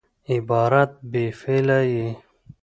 عبارت بې فعله يي.